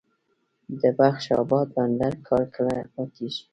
د بخش اباد بند کار کله ماتیږي؟